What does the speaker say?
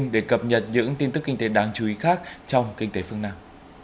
để cập nhật những tin tức kinh tế đáng chú ý khác trong kinh tế phương nam